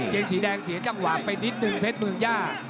เกงสีแดงเสียจังหวะไปนิดนึงเพชรเมืองย่า